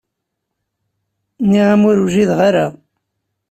Nniɣ-am ur wjideɣ ara.